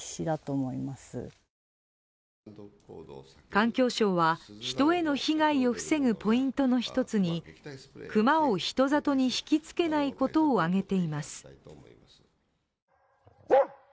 環境省は人への被害を防ぐポイントの一つに熊を人里に引き付けないことを挙げています。